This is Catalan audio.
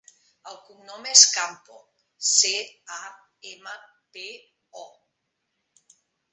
El cognom és Campo: ce, a, ema, pe, o.